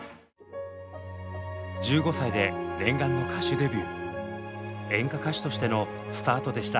１５歳で念願の歌手デビュー演歌歌手としてのスタートでした。